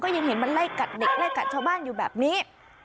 ยังเห็นมันไล่กัดเด็กไล่กัดชาวบ้านอยู่แบบนี้